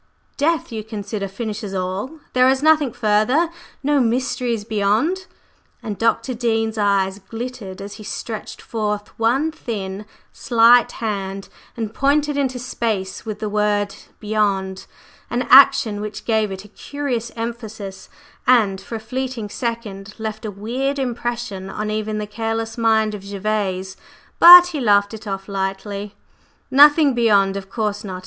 "Death, you consider, finishes all? There is nothing further no mysteries beyond? …" and Dr. Dean's eyes glittered as he stretched forth one thin, slight hand and pointed into space with the word "beyond," an action which gave it a curious emphasis, and for a fleeting second left a weird impression on even the careless mind of Gervase. But he laughed it off lightly. "Nothing beyond? Of course not!